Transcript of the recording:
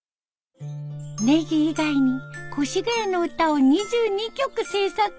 ネギ以外に越谷の歌を２２曲制作。